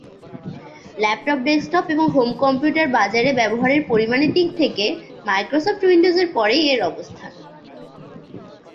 Laptop, desktop, এবং home computer বাজারে ব্যবহারের পরিমাণের দিক থেকে মাইক্রোসফট উইন্ডোজের পরেই এর অবস্থান।